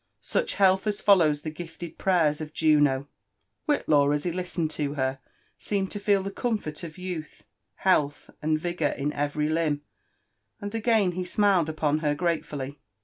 — such health as follows the gifted prayers of Juno !" Whitlaw as he listened to her seemed to feel the comfort of youth, health, and vigour in every limb ; and again he smiled upon her gratefully.